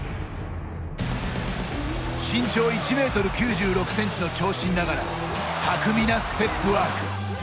身長１ｍ９６ｃｍの長身ながら巧みなステップワーク。